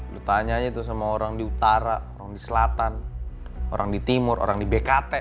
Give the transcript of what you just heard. bertanya itu sama orang di utara orang di selatan orang di timur orang di bkt